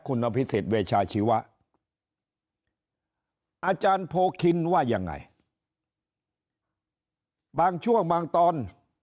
คุณอภิษฎเวชาชีวะอาจารย์โพคินว่ายังไงบางช่วงบางตอน